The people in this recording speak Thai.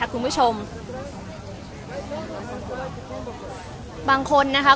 บางคนนะคะก็จะมาเป็นกลุ่มเพื่อนกลุ่มครอบครัวค่ะ